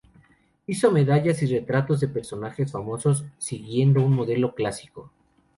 Hizo medallas y retratos de personajes famosos, siguiendo un modelo clásico.